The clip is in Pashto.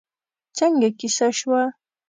څنګه کېسه شوه؟